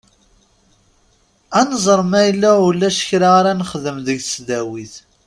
Ad nẓer ma ulac kra ara nexdem deg tesdawit.